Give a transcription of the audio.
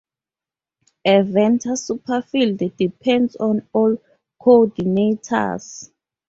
A vector superfield depends on all coordinates.